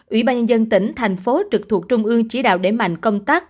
ủy ban nhân dân tỉnh thành phố trực thuộc trung ương chỉ đạo đẩy mạnh công tác